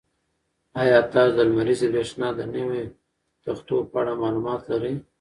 ایا تاسو د لمریزې برېښنا د نویو تختو په اړه معلومات لرئ؟